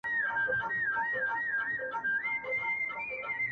• د پکتیکا زلزلې ,